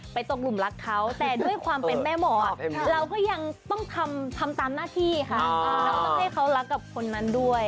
ตกหลุมรักเขาแต่ด้วยความเป็นแม่หมอเราก็ยังต้องทำตามหน้าที่ค่ะเราต้องให้เขารักกับคนนั้นด้วย